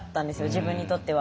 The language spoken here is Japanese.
自分にとっては。